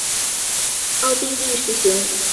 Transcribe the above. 奥地利实施九年义务教育。